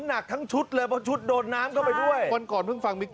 หนักทั้งชุดเลยเพราะชุดโดนน้ำเข้าไปด้วยวันก่อนเพิ่งฟังบิ๊ก